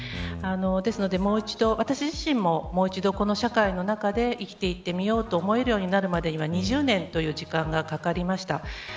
ですので、もう一度私自身も、もう一度この社会の中で生きていってみようと思えるようになるまでは２０年という時間がかかりました。